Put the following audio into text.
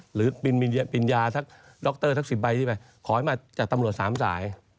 หรือปริญญาดรสัก๑๐ใบที่ไปขอให้มาจากตำรวจสามสาย